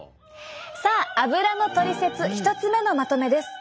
さあアブラのトリセツ１つ目のまとめです。